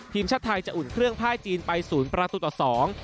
ทีมชาติไทยจะอุ่นเครื่องไพ่จีนไป๐ประตูต่อศูนย์